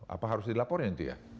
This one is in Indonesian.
apa harus dilaporin itu ya